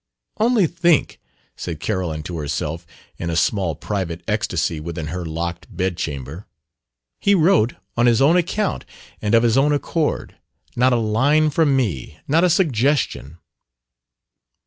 "Only think!" said Carolyn to herself, in a small private ecstasy within her locked bedchamber; "he wrote on his own account and of his own accord. Not a line from me; not a suggestion!"